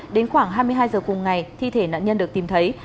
đến khoảng hai mươi hai h cùng ngày thi thể nạn nhân được tìm thấy